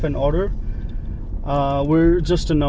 kita hanya sebuah nomor kita tidak menghitungnya